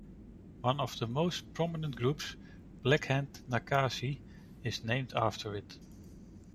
One of the most prominent groups, Blackhand Nakasi, is named after it.